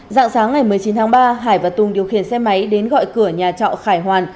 dạng sáng ngày một mươi chín tháng ba hải và tùng điều khiển xe máy đến gọi cửa nhà trọ khải hoàn